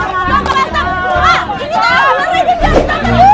pak ini tak ada apa apa rejen rejen tetap tunggu